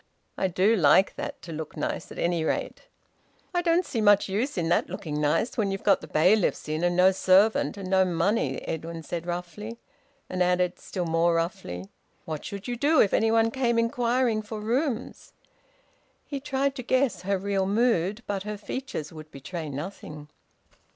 I do like that to look nice at any rate!" "I don't see much use in that looking nice, when you've got the bailiffs in, and no servant and no money," Edwin said roughly, and added, still more roughly: "What should you do if anyone came inquiring for rooms?" He tried to guess her real mood, but her features would betray nothing.